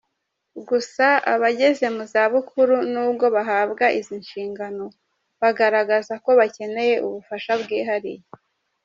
Gusa abageze mu zabukuru n’ubwo bahabwa izi nshingano bagaragaza ko bakeneye ubufasha bwihariye.